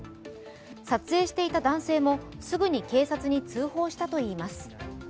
撮影していた男性も、すぐに警察に通報したといいます。